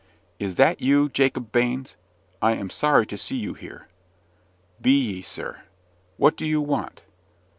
"Is that you, Jacob Baines? I am sorry to see you here." "Be ye, sir." "What do you want?"